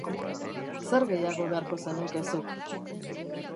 Zer gehiago beharko zenuke zuk?